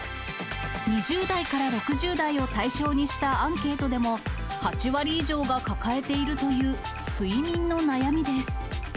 ２０代から６０代を対象にしたアンケートでも、８割以上が抱えているという睡眠の悩みです。